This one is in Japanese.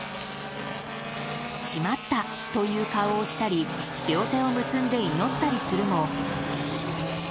しまったという顔をしたり両手を結んで祈ったりするも。